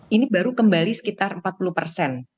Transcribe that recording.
ini baru kembali sekitar empat puluh persen